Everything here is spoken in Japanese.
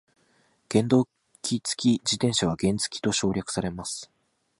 原動機付き自転車は原付と省略されます。